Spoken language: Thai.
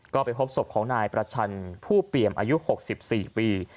ก็ไปพบศพของนายประชันผู้เปี่ยมอายุ๖๔ปี